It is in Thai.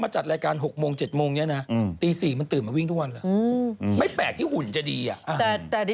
อาตารณ์รีด